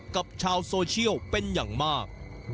กับชาวโซเชียลเป็นอย่างมาก